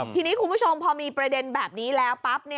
ทีนี้คุณผู้ชมพอมีประเด็นแบบนี้แล้วปั๊บ